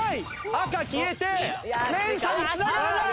赤消えて連鎖に繋がらない。